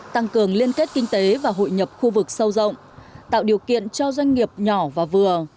tăng cường liên kết kinh tế và hội nhập khu vực sâu rộng tạo điều kiện cho doanh nghiệp nhỏ và vừa